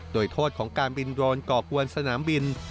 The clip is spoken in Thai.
โดยโทษของการบินโดรนก่อกวนสนามบิน